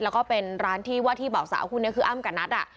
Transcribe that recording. แล้วก็เป็นร้านที่ว่าที่เบาสาหกุลเนี่ยคืออ้ำกับนัดอ่ะ